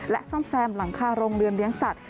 ซ่อมแซมหลังคาโรงเรือนเลี้ยงสัตว